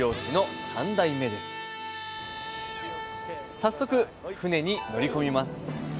早速船に乗り込みます。